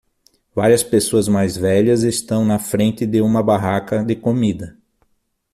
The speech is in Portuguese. Várias pessoas mais velhas estão na frente de uma barraca de comida.